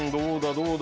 どうだ？